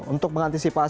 untuk mengantisipasi agar